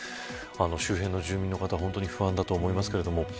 周辺の住民の方、ほんとに不安だと思いますけれども。